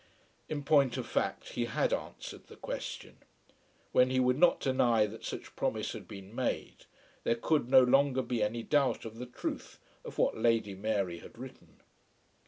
In point of fact he had answered the question. When he would not deny that such promise had been made, there could no longer be any doubt of the truth of what Lady Mary had written.